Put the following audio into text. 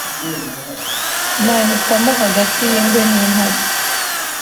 Nahitamo hagati y’inngwe n’intare